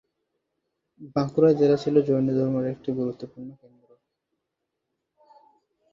বাঁকুড়া জেলা ছিল জৈনধর্মের একটি গুরুত্বপূর্ণ কেন্দ্র।